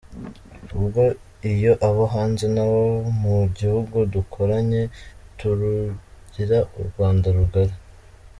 Ubwo iyo abo hanze n’abo mu gihugu dukoranye, turugira u Rwanda rugari.”